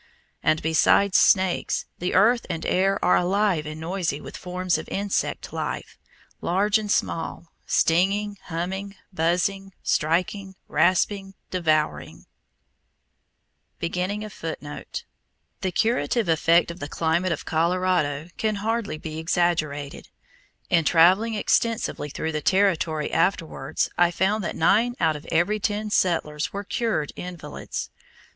And besides snakes, the earth and air are alive and noisy with forms of insect life, large and small, stinging, humming, buzzing, striking, rasping, devouring! The curative effect of the climate of Colorado can hardly be exaggerated. In traveling extensively through the Territory afterwards I found that nine out of every ten settlers were cured invalids.